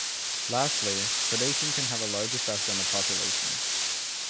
Lastly, predation can have a large effect on the population.